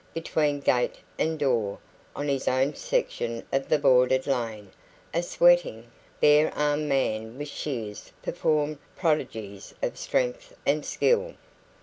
Between gate and door, on his own section of the boarded lane, a sweating, bare armed man with shears performed prodigies of strength and skill.